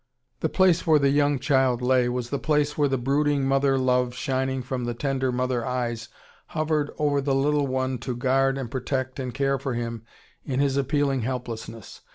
] "The place where the young Child lay" was the place where the brooding mother love shining from the tender mother eyes hovered over the little One to guard and protect and care for Him in His appealing helplessness.